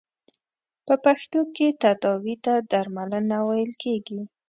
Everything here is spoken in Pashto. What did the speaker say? په پښتو کې تداوې ته درملنه ویل کیږی.